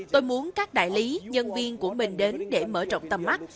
tôi muốn các đại lý nhân viên của mình đến để mở rộng tầm mắt